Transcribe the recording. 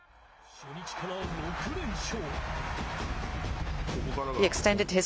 初日から６連勝。